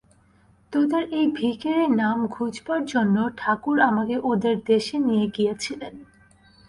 তোদের এই ভিখিরী-নাম ঘুচবার জন্যে ঠাকুর আমাকে ওদের দেশে নিয়ে গিয়েছিলেন।